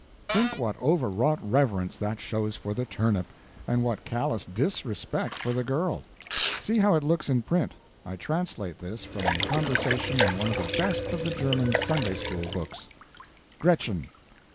Think what overwrought reverence that shows for the turnip, and what callous disrespect for the girl. See how it looks in print I translate this from a conversation in one of the best of the German Sunday school books: "Gretchen.